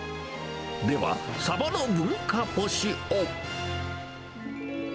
では、サバの文化干しを。